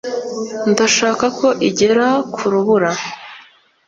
ndashaka ko igera ku rubura